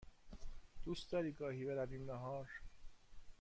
دوست داری گاهی برویم نهار؟